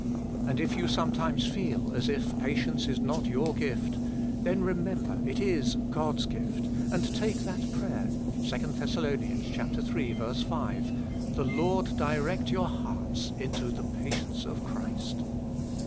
And if you sometimes feel as if patience is not your gift, then remember it is God's gift, and take that prayer (2 Thess. iii. 5 r.v.) :' The Lord direct your hearts into the patience of Christ.'